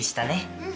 うん。